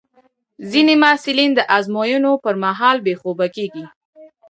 ځینې محصلین د ازموینو پر مهال بې خوبه کېږي.